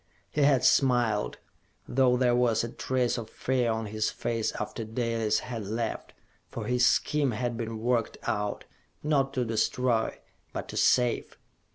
He had smiled, though there was a trace of fear on his face after Dalis had left, for his scheme had been worked out not to destroy, but to save!